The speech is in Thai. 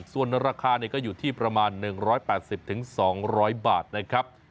ส่วนราคาก็อยู่ที่ประมาณ๑๘๐๒๐๐บาทนะครับ